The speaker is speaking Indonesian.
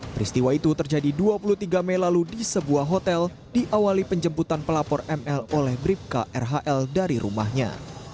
peristiwa itu terjadi dua puluh tiga mei lalu di sebuah hotel diawali penjemputan pelapor ml oleh bribka rhl dari rumahnya